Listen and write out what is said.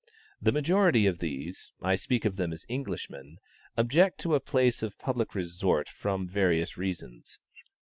The majority of these, I speak of them as Englishmen, object to a place of public resort from various reasons.